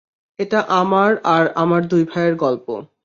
এটা আমার আর আমার দুই ভাইয়ের গল্প।